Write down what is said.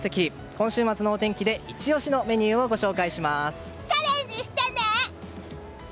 今週末のお天気でイチ押しのメニューをチャレンジしてね！